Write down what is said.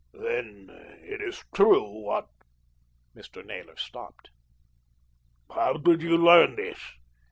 "Then it is true what " Mr. Naylor stopped. "How did you learn this?"